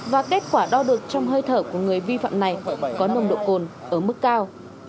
và kết quả đo được trong hơi thở của người vi phạm này có nồng độ cồn ở mức cao